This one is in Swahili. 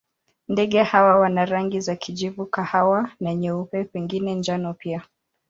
Ndege hawa wana rangi za kijivu, kahawa na nyeupe, pengine njano pia.